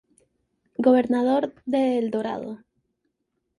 Gobernador de El Dorado